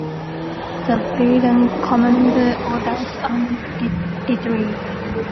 The Belgian command orders an retreat.